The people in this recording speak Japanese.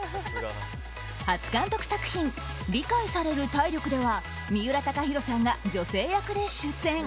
初監督作品「理解される体力」では三浦貴大さんが女性役で出演。